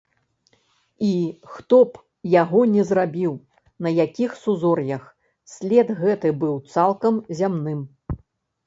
І хто б яго не зрабіў, на якіх сузор'ях, след гэты быў цалкам зямным.